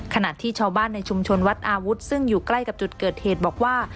ขณะที่ชาวบ้านในชุมชนวัดอาวุธซึ่งอยู่ใกล้กับจุดเกิดเหตุบอกว่า